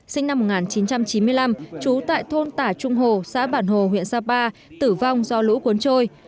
sinh năm một nghìn chín trăm chín mươi năm trú tại thôn tả trung hồ xã bản hồ huyện sapa tử vong do lũ cuốn trôi